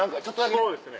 そうですね。